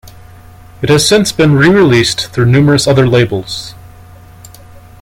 It has since been re-released through numerous other labels.